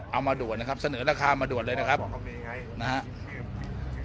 เอามาด่วนนะครับเสนอราคามาด่วนเลยนะครับ